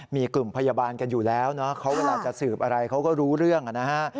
มีกลุ่มพยาบาลกันอยู่แล้วเนอะเขาเวลาจะสืบอะไรเขาก็รู้เรื่องนะฮะ